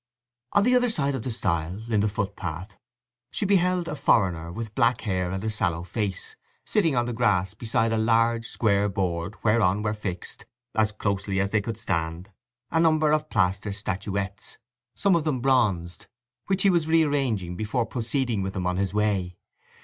On the other side of the stile, in the footpath, she beheld a foreigner with black hair and a sallow face, sitting on the grass beside a large square board whereon were fixed, as closely as they could stand, a number of plaster statuettes, some of them bronzed, which he was re arranging before proceeding with them on his way.